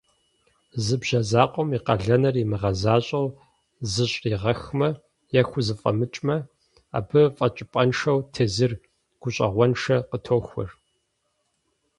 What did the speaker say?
Зы бжьэ закъуэм и къалэныр имыгъэзащӀэу зыщӀригъэхмэ е хузэфӀэмыкӀмэ, абы фӀэкӀыпӀэншэу тезыр гущӀэгъуншэ къытохуэр.